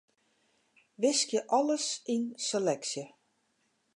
Wiskje alles yn seleksje.